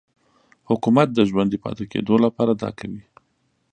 حکومت د ژوندي پاتې کېدو لپاره دا کوي.